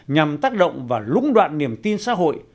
nhằm tác động và lũng đoạn niềm tin xã hội